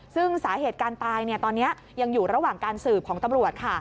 ซึ่งสาเหตุการตายตอนนี้ยังอยู่ระหว่างการสืบของตำรวจค่ะ